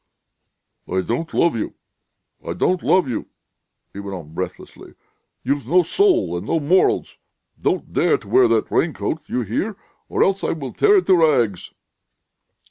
"I don't love you ... I don't love you!" he went on breathlessly. "You've no soul and no morals.... Don't dare to wear that raincoat! Do you hear? Or else I will tear it into rags...."